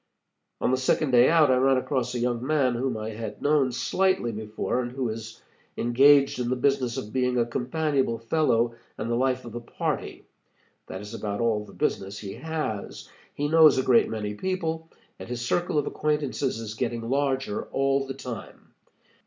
On the second day out, I ran across a young man whom I had known slightly before, and who is engaged in the business of being a companionable fellow and the life of the party. That is about all the business he has. He knows a great many people, and his circle of acquaintances is getting larger all the time.